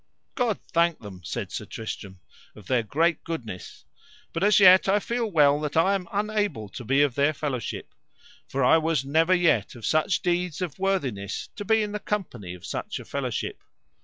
God thank them, said Sir Tristram, of their great goodness, but as yet I feel well that I am unable to be of their fellowship, for I was never yet of such deeds of worthiness to be in the company of such a fellowship.